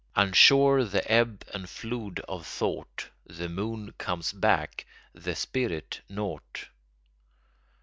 Unsure the ebb and flood of thought, The moon comes back, the spirit not.